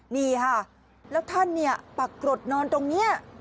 นี่ค่ะแล้วท่านเนี่ยปรากฏนอนตรงนี้